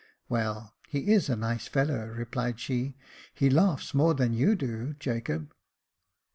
"Well, he is a nice fellow," replied she; "he laughs more than you do, Jacob."